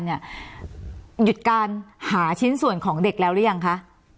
หยุดการหาชิ้นส่วนของเด็กแล้วหรือยังคะ